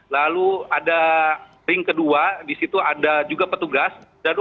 lalu ada ring kedua di situ ada juga petugas